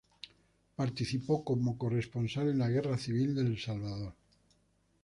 Participó como corresponsal en la guerra civil de El Salvador.